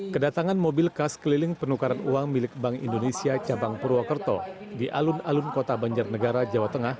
kedatangan mobil khas keliling penukaran uang milik bank indonesia cabang purwokerto di alun alun kota banjarnegara jawa tengah